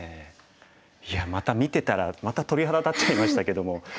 いやまた見てたらまた鳥肌立っちゃいましたけども。